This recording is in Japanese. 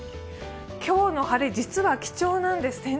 今日の晴れ、実は貴重なんです。